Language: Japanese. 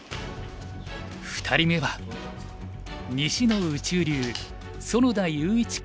２人目は西の「宇宙流」苑田勇一九